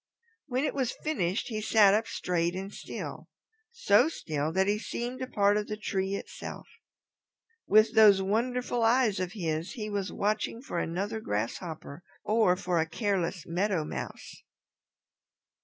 When it was finished he sat up straight and still, so still that he seemed a part of the tree itself. With those wonderful eyes of his he was watching for another grasshopper or for a careless Meadow Mouse.